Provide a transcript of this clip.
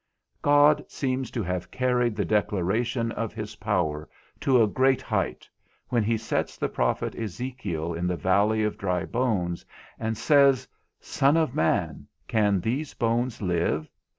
God seems to have carried the declaration of his power to a great height, when he sets the prophet Ezekiel in the valley of dry bones, and says, _Son of man, can these bones live?